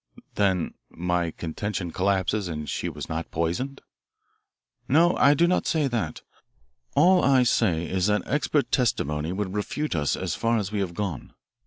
"Then my contention collapses and she was not poisoned?" "No, I do not say that. All I say is that expert testimony would refute us as far as we have gone.